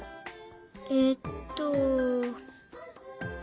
えっと。